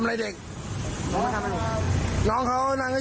มึงเดินไปจากไหน